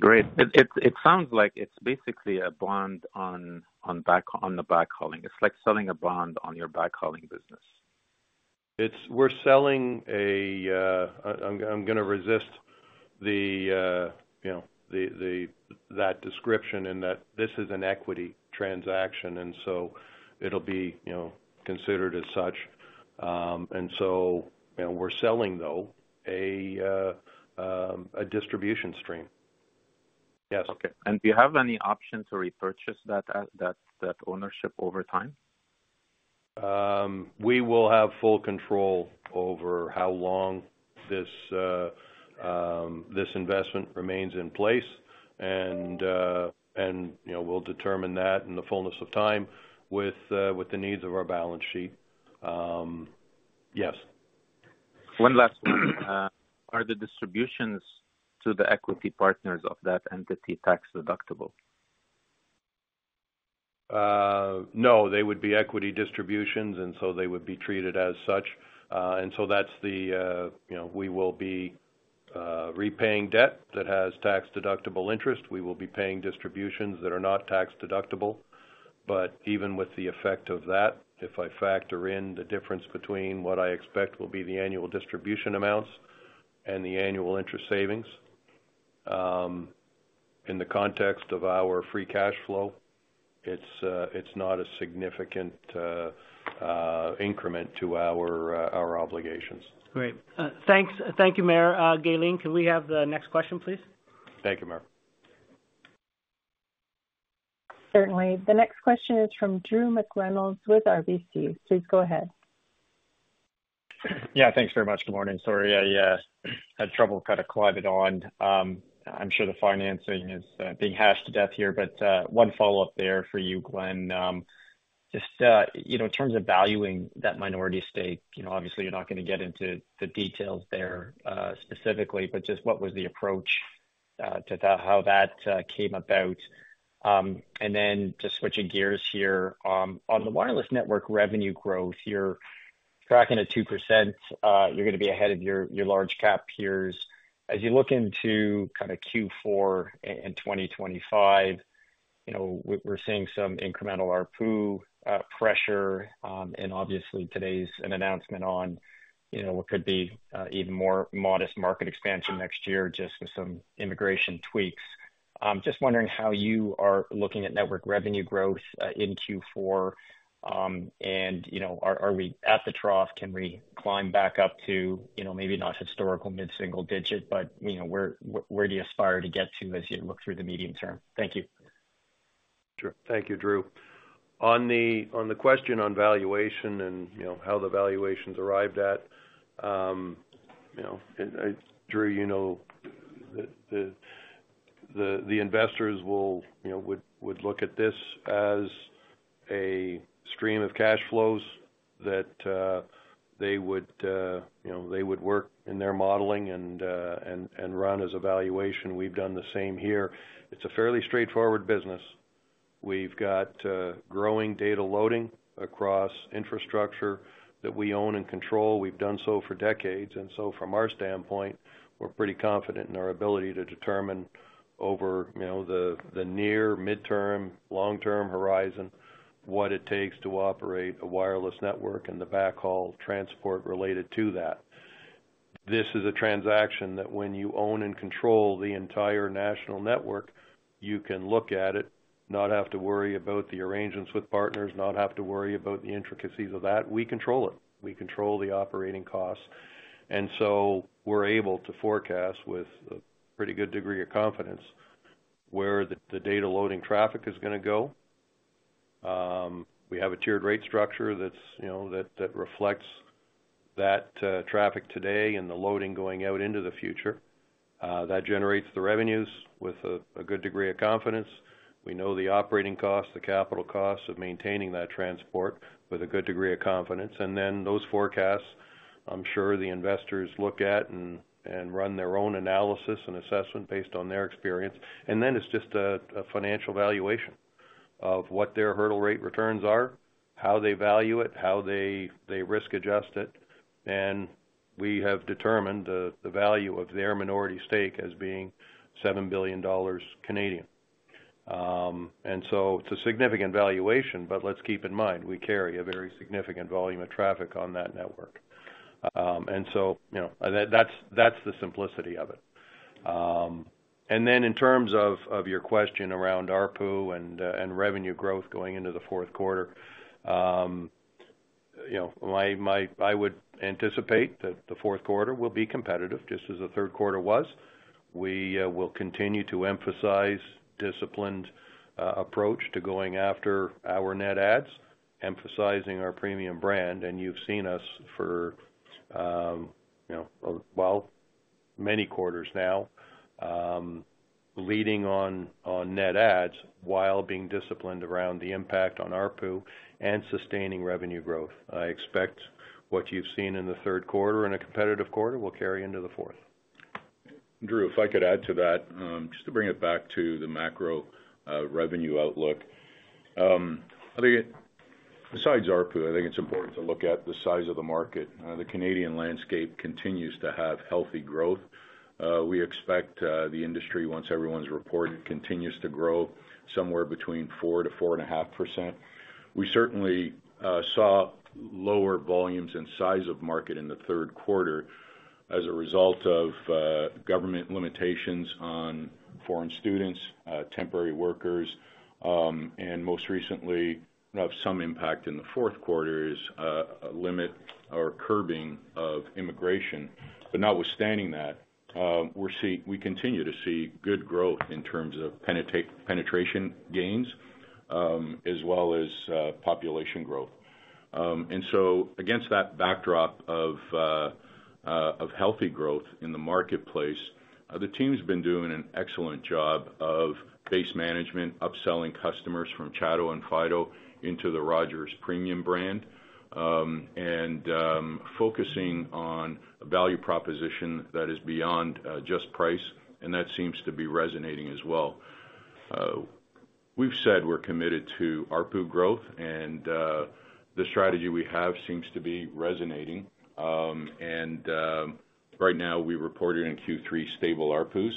Speaker 7: Great. It sounds like it's basically a bond on the backhauling. It's like selling a bond on your backhauling business.
Speaker 4: It's. We're selling a. I'm gonna resist the, you know, the that description in that this is an equity transaction, and so it'll be, you know, considered as such, and so, you know, we're selling, though, a distribution stream. Yes.
Speaker 7: Okay. And do you have any option to repurchase that ownership over time?
Speaker 4: We will have full control over how long this investment remains in place, and, you know, we'll determine that in the fullness of time with the needs of our balance sheet. Yes.
Speaker 7: One last one. Are the distributions to the equity partners of that entity tax-deductible?
Speaker 4: No, they would be equity distributions, and so they would be treated as such. And so that's the, you know, we will be repaying debt that has tax-deductible interest. We will be paying distributions that are not tax-deductible. But even with the effect of that, if I factor in the difference between what I expect will be the annual distribution amounts and the annual interest savings, in the context of our free cash flow, it's not a significant increment to our obligations.
Speaker 7: Great. Thanks.
Speaker 2: Thank you, Maher. Gaylene, can we have the next question, please?
Speaker 4: Thank you, Maher.
Speaker 1: Certainly. The next question is from Drew McReynolds with RBC. Please go ahead.
Speaker 8: Yeah, thanks very much. Good morning. Sorry, I had trouble kind of climbing on. I'm sure the financing is being hashed to death here, but one follow-up there for you, Glenn. Just you know, in terms of valuing that minority stake, you know, obviously, you're not gonna get into the details there specifically, but just what was the approach to that, how that came about? And then just switching gears here. On the wireless network revenue growth, you're tracking at 2%. You're gonna be ahead of your large cap peers. As you look into kinda Q4 in 2025, you know, we're seeing some incremental ARPU pressure. And obviously, today's an announcement on you know, what could be even more modest market expansion next year, just with some immigration tweaks. Just wondering how you are looking at network revenue growth in Q4, and you know, are we at the trough? Can we climb back up to, you know, maybe not historical mid-single digit, but, you know, where do you aspire to get to as you look through the medium term? Thank you.
Speaker 4: Sure. Thank you, Drew. On the question on valuation and, you know, how the valuation's arrived at, you know, it, Drew, you know, the investors will, you know, would look at this as a stream of cash flows that they would, you know, work in their modeling and run as a valuation. We've done the same here. It's a fairly straightforward business. We've got growing data loading across infrastructure that we own and control. We've done so for decades, and so from our standpoint, we're pretty confident in our ability to determine over, you know, the near midterm, long-term horizon, what it takes to operate a wireless network and the backhaul transport related to that. This is a transaction that when you own and control the entire national network, you can look at it, not have to worry about the arrangements with partners, not have to worry about the intricacies of that. We control it. We control the operating costs, and so we're able to forecast with a pretty good degree of confidence where the data loading traffic is gonna go. We have a tiered rate structure that's, you know, that reflects that traffic today and the loading going out into the future. That generates the revenues with a good degree of confidence. We know the operating costs, the capital costs of maintaining that transport with a good degree of confidence. And then those forecasts, I'm sure the investors look at and run their own analysis and assessment based on their experience. Then it's just a financial valuation of what their hurdle rate returns are, how they value it, how they risk adjust it. We have determined the value of their minority stake as being 7 billion Canadian dollars. It's a significant valuation, but let's keep in mind, we carry a very significant volume of traffic on that network. You know, and that's the simplicity of it. In terms of your question around ARPU and revenue growth going into the fourth quarter, you know, I would anticipate that the fourth quarter will be competitive, just as the third quarter was. We will continue to emphasize disciplined approach to going after our net adds, emphasizing our premium brand, and you've seen us for, you know, well, many quarters now, leading on net adds, while being disciplined around the impact on ARPU and sustaining revenue growth. I expect what you've seen in the third quarter, in a competitive quarter, will carry into the fourth.
Speaker 3: Drew, if I could add to that, just to bring it back to the macro revenue outlook. I think besides ARPU, I think it's important to look at the size of the market. The Canadian landscape continues to have healthy growth. We expect the industry, once everyone's reported, continues to grow somewhere between 4-4.5%. We certainly saw lower volumes and size of market in the third quarter as a result of government limitations on foreign students, temporary workers, and most recently, of some impact in the fourth quarter is a limit or curbing of immigration. But notwithstanding that, we continue to see good growth in terms of penetration gains, as well as population growth. Against that backdrop of healthy growth in the marketplace, the team's been doing an excellent job of base management, upselling customers from chatr and Fido into the Rogers premium brand, and focusing on a value proposition that is beyond just price, and that seems to be resonating as well. We've said we're committed to ARPU growth, and the strategy we have seems to be resonating. Right now, we reported in Q3 stable ARPUs,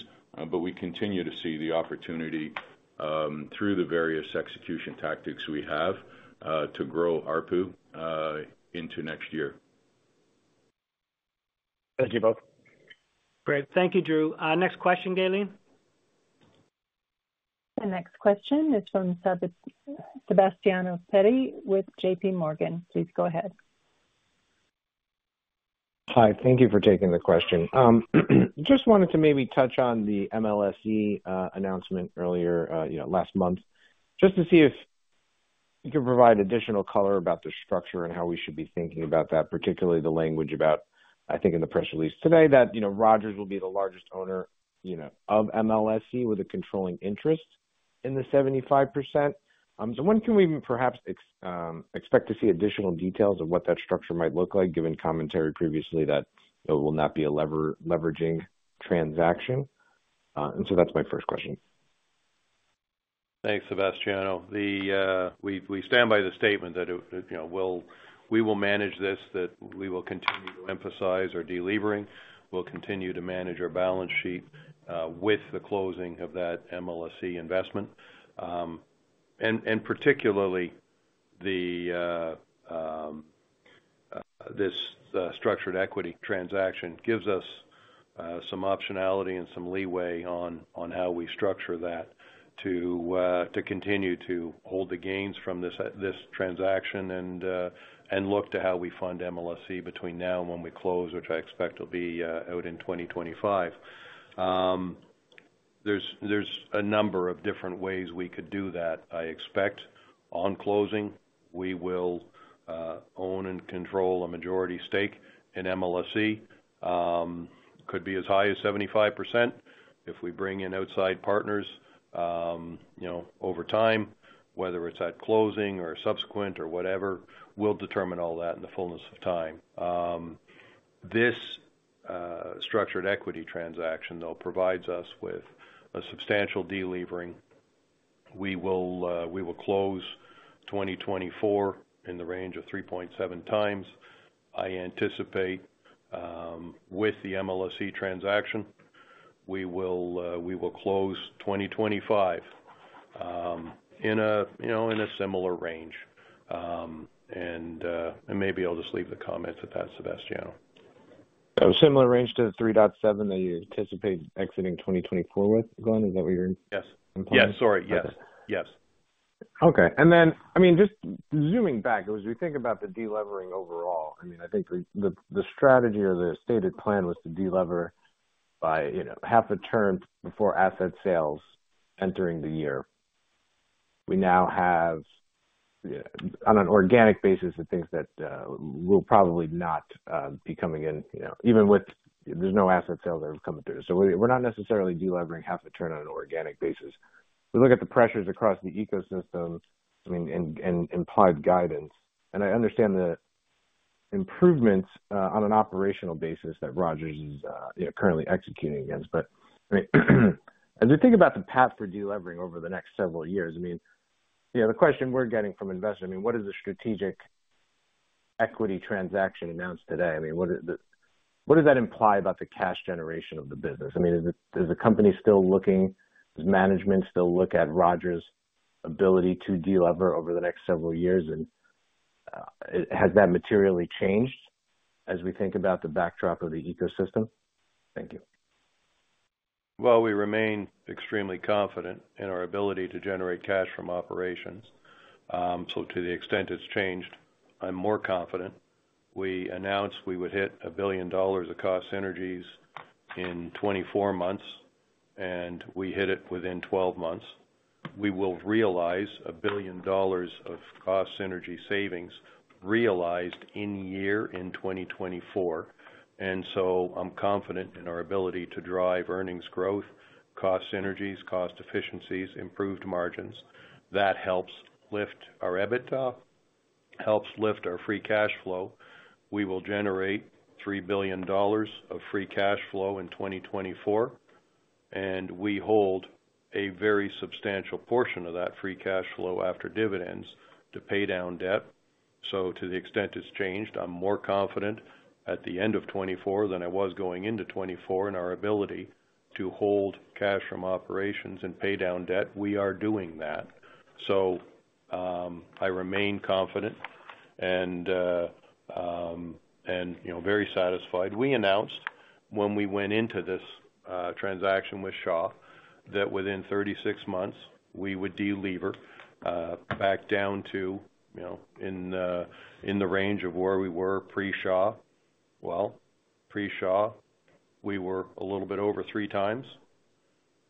Speaker 3: but we continue to see the opportunity through the various execution tactics we have to grow ARPU into next year.
Speaker 4: Thank you both.
Speaker 2: Great. Thank you, Drew. Next question, Gaylene.
Speaker 1: The next question is from Sebastiano Petti with J.P. Morgan. Please go ahead.
Speaker 9: Hi, thank you for taking the question. Just wanted to maybe touch on the MLSE announcement earlier, you know, last month, just to see if you could provide additional color about the structure and how we should be thinking about that, particularly the language about, I think in the press release today, that, you know, Rogers will be the largest owner, you know, of MLSE with a controlling interest in the 75%. So when can we perhaps expect to see additional details of what that structure might look like, given commentary previously that it will not be a leveraging transaction? And so that's my first question.
Speaker 4: Thanks, Sebastiano. We stand by the statement that it, you know, we will manage this, that we will continue to emphasize our deleveraging. We'll continue to manage our balance sheet, with the closing of that MLSE investment, and particularly, this structured equity transaction gives us some optionality and some leeway on how we structure that to continue to hold the gains from this transaction and look to how we fund MLSE between now and when we close, which I expect will be out in 2025. There's a number of different ways we could do that. I expect on closing, we will own and control a majority stake in MLSE. Could be as high as 75%. If we bring in outside partners, you know, over time, whether it's at closing or subsequent or whatever, we'll determine all that in the fullness of time. This structured equity transaction, though, provides us with a substantial delevering. We will close twenty twenty-four in the range of three point seven times. I anticipate, with the MLSE transaction, we will close 2025, in a, you know, in a similar range. And, I may be able to just leave the comment with that, Sebastiano.
Speaker 9: A similar range to the 3.7 that you anticipate exiting 2024 with, Glenn? Is that what you're-
Speaker 4: Yes.
Speaker 9: Implying?
Speaker 4: Yes. Sorry. Yes, yes.
Speaker 9: Okay. And then, I mean, just zooming back, as we think about the deleveraging overall, I mean, I think the strategy or the stated plan was to deleverage by, you know, half a turn before asset sales entering the year. We now have, on an organic basis, the things that will probably not be coming in, you know, even with there's no asset sales that are coming through. So we're not necessarily deleveraging half a turn on an organic basis. We look at the pressures across the ecosystem, I mean, and implied guidance, and I understand the improvements on an operational basis that Rogers is, you know, currently executing against. As you think about the path for delevering over the next several years, I mean, you know, the question we're getting from investors, I mean, what is the strategic equity transaction announced today? I mean, what does that imply about the cash generation of the business? I mean, is the company still looking, does management still look at Rogers' ability to delever over the next several years? And has that materially changed as we think about the backdrop of the ecosystem? Thank you.
Speaker 4: Well, we remain extremely confident in our ability to generate cash from operations. So to the extent it's changed, I'm more confident. We announced we would hit 1 billion dollars of cost synergies in 24 months, and we hit it within 12 months. We will realize 1 billion dollars of cost synergy savings realized in year, in 2024. And so I'm confident in our ability to drive earnings growth, cost synergies, cost efficiencies, improved margins. That helps lift our EBITDA, helps lift our free cash flow. We will generate 3 billion dollars of free cash flow in 2024, and we hold a very substantial portion of that free cash flow after dividends to pay down debt. So to the extent it's changed, I'm more confident at the end of twenty twenty-four than I was going into twenty twenty-four, in our ability to hold cash from operations and pay down debt. We are doing that. So, I remain confident and, you know, very satisfied. We announced when we went into this transaction with Shaw, that within thirty-six months we would delever back down to, you know, in the range of where we were pre-Shaw. Well, pre-Shaw, we were a little bit over three times.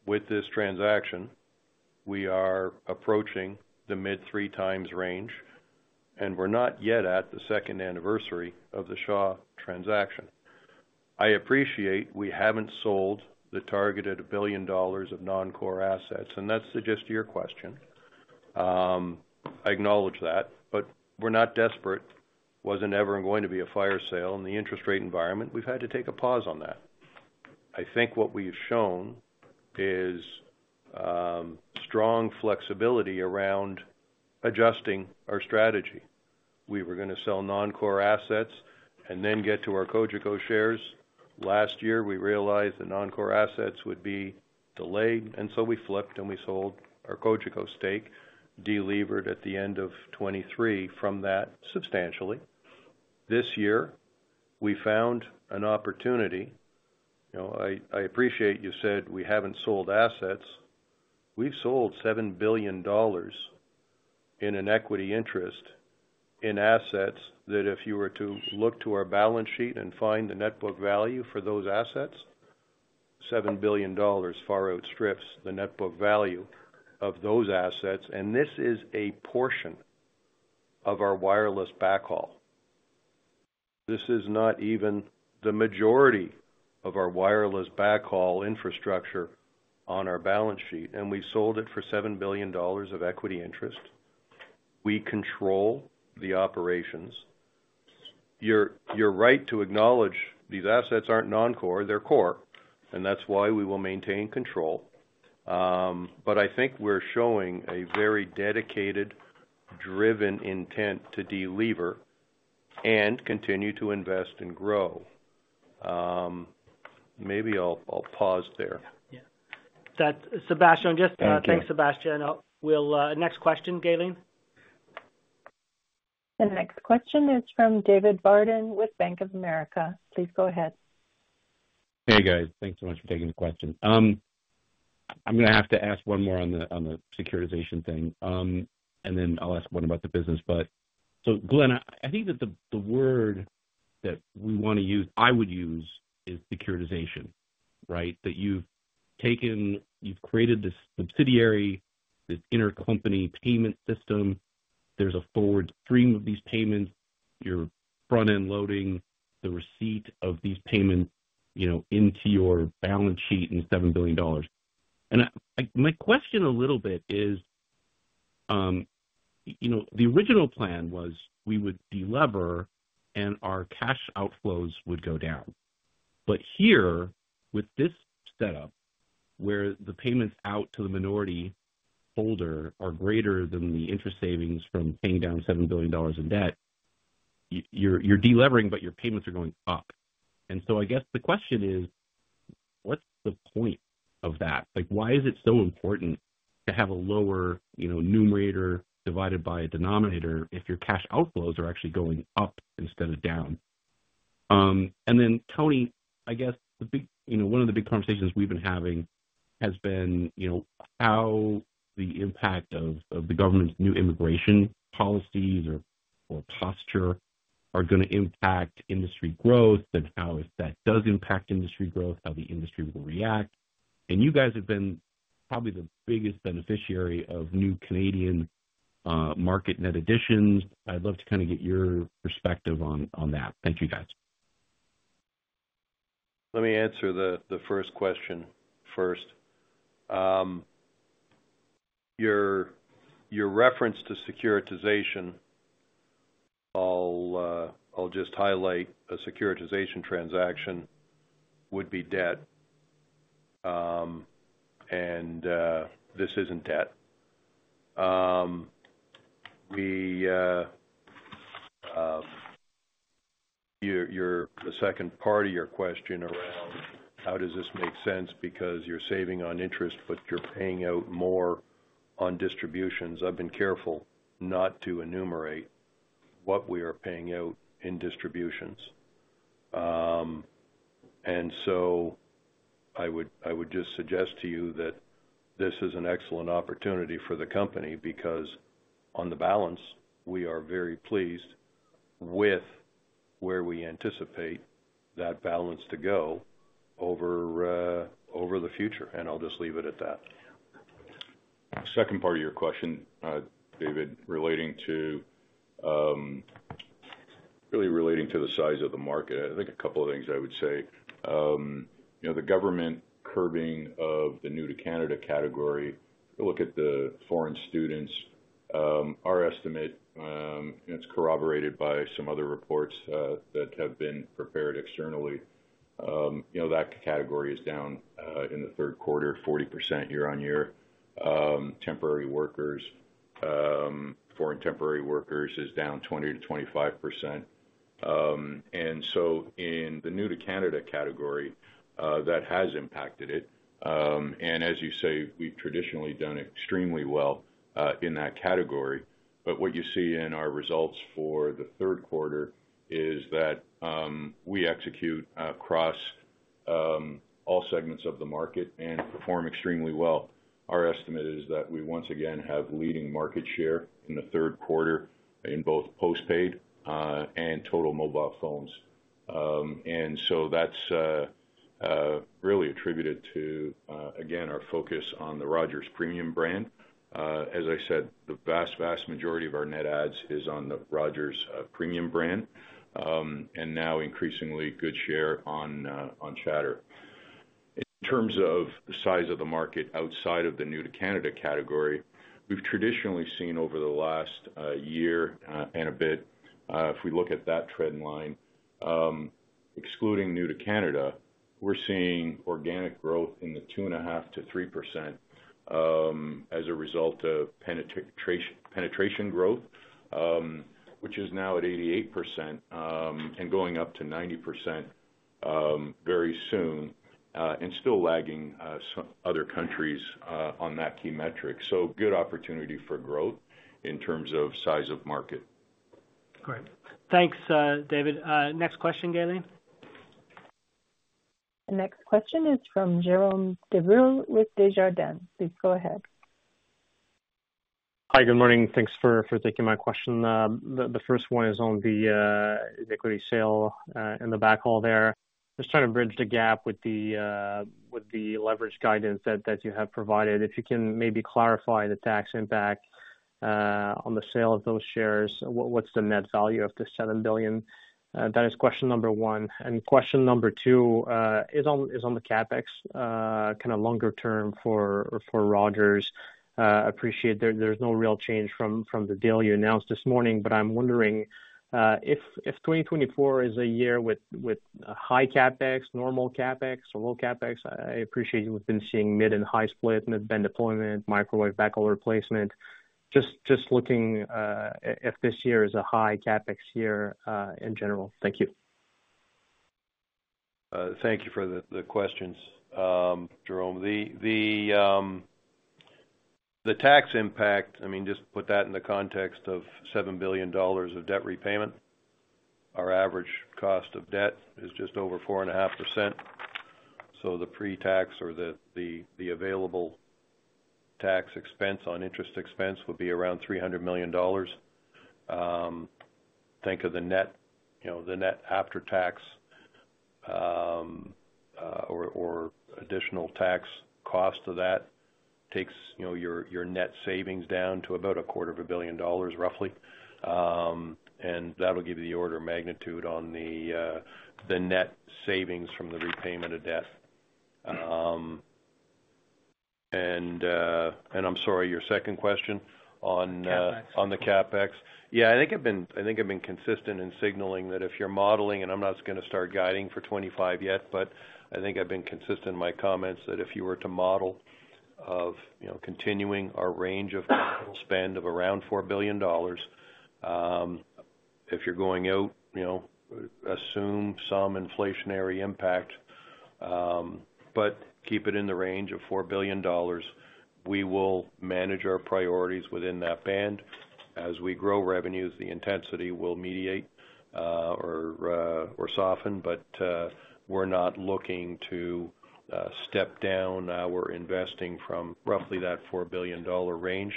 Speaker 4: With this transaction, we are approaching the mid-three times range, and we're not yet at the second anniversary of the Shaw transaction. I appreciate we haven't sold the targeted 1 billion dollars of non-core assets, and that's the gist of your question. I acknowledge that, but we're not desperate. Wasn't ever going to be a fire sale in the interest rate environment. We've had to take a pause on that. I think what we've shown is strong flexibility around adjusting our strategy. We were gonna sell non-core assets and then get to our Cogeco shares. Last year, we realized the non-core assets would be delayed, and so we flipped and we sold our Cogeco stake, delevered at the end of 2023 from that, substantially. This year, we found an opportunity. You know, I appreciate you said we haven't sold assets. We've sold 7 billion dollars in an equity interest in assets that if you were to look to our balance sheet and find the net book value for those assets, 7 billion dollars far outstrips the net book value of those assets, and this is a portion of our wireless backhaul. This is not even the majority of our wireless backhaul infrastructure on our balance sheet, and we sold it for 7 billion dollars of equity interest. We control the operations. You're right to acknowledge these assets aren't non-core, they're core, and that's why we will maintain control. But I think we're showing a very dedicated, driven intent to delever and continue to invest and grow. Maybe I'll pause there.
Speaker 2: Yeah, that's... Sebastiano, just-
Speaker 4: Thank you.
Speaker 2: Thanks, Sebastiano. We'll next question, Gaylene.
Speaker 1: The next question is from David Barden with Bank of America. Please go ahead.
Speaker 10: Hey, guys. Thanks so much for taking the question. I'm gonna have to ask one more on the securitization thing, and then I'll ask one about the business, but so, Glenn, I think that the word that we wanna use, I would use, is securitization, right? That you've taken. You've created this subsidiary, this intercompany payment system. There's a forward stream of these payments. You're front-end loading the receipt of these payments, you know, into your balance sheet and 7 billion dollars. And I... my question a little bit is- You know, the original plan was we would delever and our cash outflows would go down. But here, with this setup, where the payments out to the minority holder are greater than the interest savings from paying down 7 billion dollars in debt, you're delevering, but your payments are going up. And so I guess the question is, what's the point of that? Like, why is it so important to have a lower, you know, numerator divided by a denominator if your cash outflows are actually going up instead of down? And then, Tony, I guess, the big you know, one of the big conversations we've been having has been, you know, how the impact of the government's new immigration policies or posture are gonna impact industry growth, and how, if that does impact industry growth, how the industry will react. You guys have been probably the biggest beneficiary of new Canadian market net additions. I'd love to kind of get your perspective on that. Thank you, guys.
Speaker 4: Let me answer the first question first. Your reference to securitization, I'll just highlight a securitization transaction would be debt, and this isn't debt. The second part of your question around how does this make sense because you're saving on interest, but you're paying out more on distributions. I've been careful not to enumerate what we are paying out in distributions. And so I would just suggest to you that this is an excellent opportunity for the company because on the balance, we are very pleased with where we anticipate that balance to go over the future, and I'll just leave it at that.
Speaker 3: Second part of your question, David, relating to really relating to the size of the market. I think a couple of things I would say. You know, the government curbing of the New to Canada category, if you look at the foreign students, our estimate, and it's corroborated by some other reports that have been prepared externally, you know, that category is down in the third quarter, 40% year on year. Temporary workers, foreign temporary workers is down 20-25%. And so in the New to Canada category, that has impacted it. And as you say, we've traditionally done extremely well in that category. But what you see in our results for the third quarter is that we execute across all segments of the market and perform extremely well. Our estimate is that we once again have leading market share in the third quarter in both postpaid and total mobile phones. And so that's really attributed to again our focus on the Rogers premium brand. As I said, the vast, vast majority of our net adds is on the Rogers premium brand, and now increasingly good share on on chatr. In terms of the size of the market outside of the New to Canada category, we've traditionally seen over the last year and a bit, if we look at that trend line, excluding New to Canada, we're seeing organic growth in the 2.5%-3%, as a result of penetration, penetration growth, which is now at 88%, and going up to 90%, very soon, and still lagging some other countries on that key metric. So good opportunity for growth in terms of size of market.
Speaker 10: Great.
Speaker 2: Thanks, David. Next question, Gaylene.
Speaker 1: The next question is from Jerome Dubreuil with Desjardins. Please go ahead.
Speaker 11: Hi, good morning. Thanks for taking my question. The first one is on the equity sale in the backhaul there. Just trying to bridge the gap with the leverage guidance that you have provided. If you can maybe clarify the tax impact on the sale of those shares, what's the net value of the 7 billion? That is question number one. And question number two is on the CapEx kind of longer term for Rogers. Appreciate there's no real change from the deal you announced this morning, but I'm wondering if 2024 is a year with high CapEx, normal CapEx, or low CapEx? I appreciate we've been seeing mid and high split, mid-band deployment, microwave backhaul replacement. Just, just looking, if this year is a high CapEx year, in general? Thank you.
Speaker 3: Thank you for the question, Jerome. The tax impact, I mean, just put that in the context of 7 billion dollars of debt repayment. Our average cost of debt is just over 4.5%. So the pre-tax or the available tax expense on interest expense would be around 300 million dollars. Think of the net, you know, the net after tax, or additional tax cost of that takes, you know, your net savings down to about 250 million dollars, roughly. And that'll give you the order of magnitude on the net savings from the repayment of debt.
Speaker 4: and I'm sorry, your second question on-
Speaker 11: CapEx.
Speaker 4: On the CapEx? Yeah, I think I've been consistent in signaling that if you're modeling, and I'm not just gonna start guiding for 2025 yet, but I think I've been consistent in my comments, that if you were to model of, you know, continuing our range of capital spend of around 4 billion dollars, if you're going out, you know, assume some inflationary impact, but keep it in the range of 4 billion dollars. We will manage our priorities within that band. As we grow revenues, the intensity will moderate, or soften, but, we're not looking to step down. We're investing from roughly that 4 billion dollar range.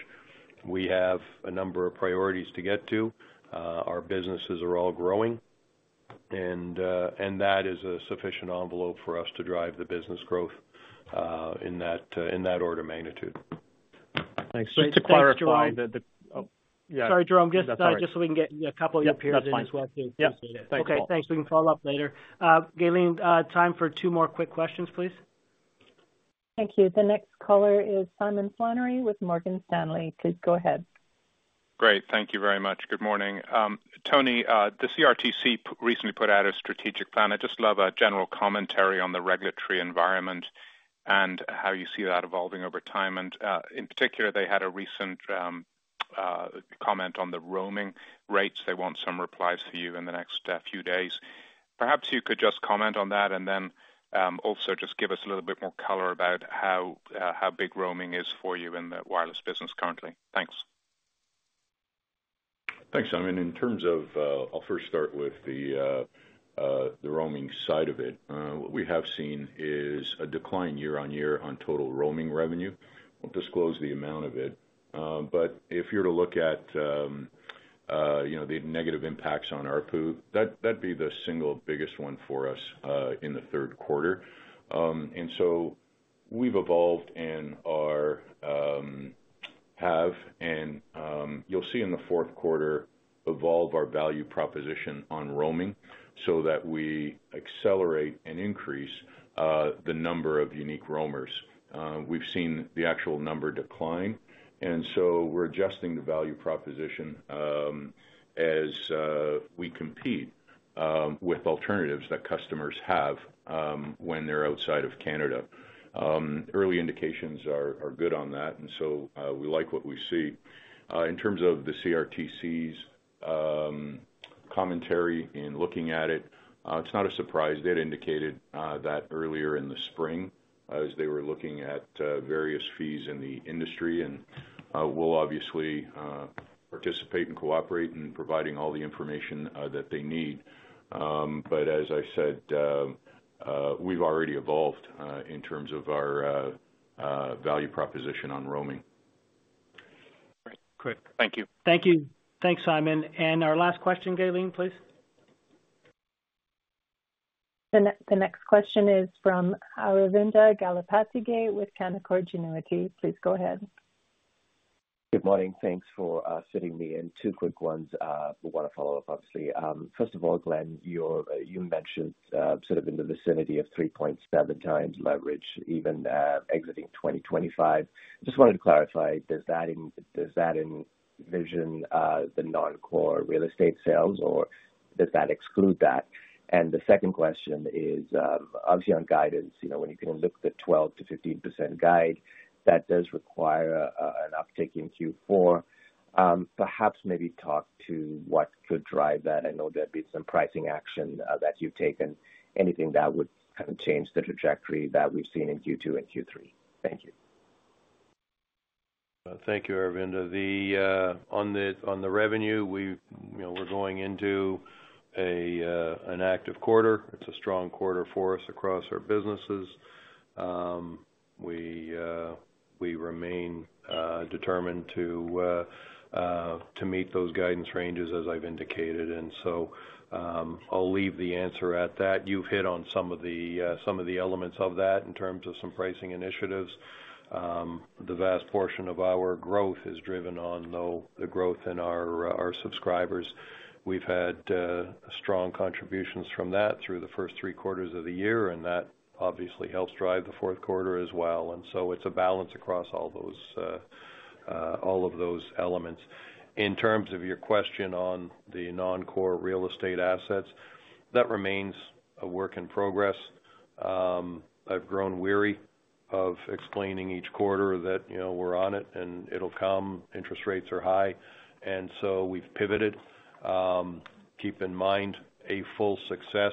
Speaker 4: We have a number of priorities to get to. Our businesses are all growing, and that is a sufficient envelope for us to drive the business growth, in that order of magnitude.
Speaker 11: Thanks. Just to clarify that the-
Speaker 2: Sorry, Jerome, just so we can get a couple of your peers in as well, too.
Speaker 11: Yep, that's fine. Yep.
Speaker 2: Okay, thanks. We can follow up later. Gaylene, time for two more quick questions, please.
Speaker 1: Thank you. The next caller is Simon Flannery with Morgan Stanley. Please go ahead.
Speaker 12: Great. Thank you very much. Good morning. Tony, the CRTC recently put out a strategic plan. I'd just love a general commentary on the regulatory environment and how you see that evolving over time. And, in particular, they had a recent comment on the roaming rates. They want some replies to you in the next few days. Perhaps you could just comment on that, and then, also just give us a little bit more color about how big roaming is for you in the wireless business currently. Thanks.
Speaker 3: Thanks, Simon. In terms of, I'll first start with the, the roaming side of it. What we have seen is a decline year-on-year on total roaming revenue. Won't disclose the amount of it, but if you were to look at, you know, the negative impacts on ARPU, that, that'd be the single biggest one for us, in the third quarter. And so we've evolved and are, have, and, you'll see in the fourth quarter, evolve our value proposition on roaming so that we accelerate and increase, the number of unique roamers. We've seen the actual number decline, and so we're adjusting the value proposition, as, we compete, with alternatives that customers have, when they're outside of Canada. Early indications are, are good on that, and so, we like what we see. In terms of the CRTC's commentary in looking at it, it's not a surprise. They'd indicated that earlier in the spring as they were looking at various fees in the industry, and we'll obviously participate and cooperate in providing all the information that they need. But as I said, we've already evolved in terms of our value proposition on roaming.
Speaker 12: Great. Quick. Thank you.
Speaker 2: Thank you. Thanks, Simon. And our last question, Gaylene, please.
Speaker 1: The next question is from Aravinda Galappathige with Canaccord Genuity. Please go ahead.
Speaker 13: Good morning. Thanks for fitting me in. Two quick ones, we wanna follow up, obviously. First of all, Glenn, you mentioned sort of in the vicinity of 3.7 times leverage, even exiting 2025. Just wanted to clarify, does that envision the non-core real estate sales, or does that exclude that? And the second question is, obviously on guidance, you know, when you can look at the 12%-15% guide, that does require an uptick in Q4. Perhaps, maybe talk to what could drive that. I know there'd be some pricing action that you've taken, anything that would kind of change the trajectory that we've seen in Q2 and Q3. Thank you.
Speaker 4: Thank you, Aravinda. On the revenue, we, you know, we're going into an active quarter. It's a strong quarter for us across our businesses. We remain determined to meet those guidance ranges, as I've indicated, and so, I'll leave the answer at that. You've hit on some of the elements of that in terms of some pricing initiatives. The vast portion of our growth is driven on, though, the growth in our subscribers. We've had strong contributions from that through the first three quarters of the year, and that obviously helps drive the fourth quarter as well, and so it's a balance across all of those elements. In terms of your question on the non-core real estate assets, that remains a work in progress. I've grown weary of explaining each quarter that, you know, we're on it, and it'll come. Interest rates are high, and so we've pivoted. Keep in mind, a full success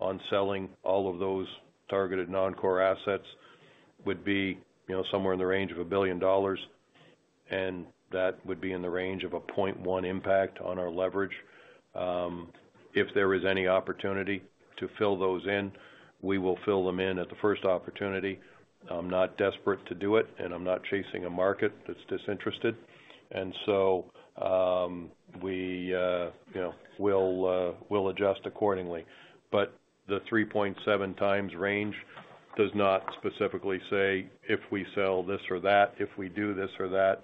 Speaker 4: on selling all of those targeted non-core assets would be, you know, somewhere in the range of 1 billion dollars, and that would be in the range of a 0.1 impact on our leverage. If there is any opportunity to fill those in, we will fill them in at the first opportunity. I'm not desperate to do it, and I'm not chasing a market that's disinterested, and so, we, you know, we'll adjust accordingly. But the 3.7 times range does not specifically say if we sell this or that, if we do this or that.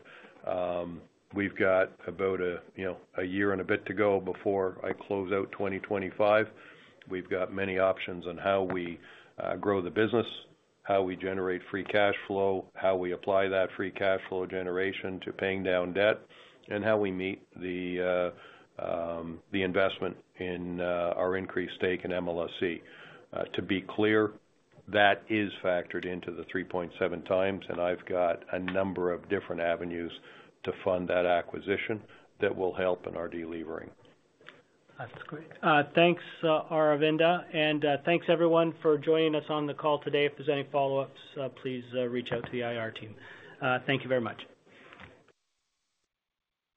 Speaker 4: We've got about a, you know, a year and a bit to go before I close out 2025. We've got many options on how we grow the business, how we generate free cash flow, how we apply that free cash flow generation to paying down debt, and how we meet the investment in our increased stake in MLSE. To be clear, that is factored into the 3.7 times, and I've got a number of different avenues to fund that acquisition that will help in our deleveraging.
Speaker 2: That's great. Thanks, Aravinda, and thanks, everyone, for joining us on the call today. If there's any follow-ups, please reach out to the IR team. Thank you very much.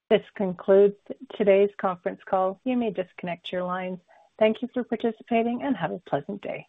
Speaker 1: This concludes today's conference call. You may disconnect your lines. Thank you for participating, and have a pleasant day.